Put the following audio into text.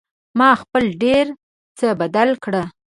ما خپل ډېر څه بدل کړي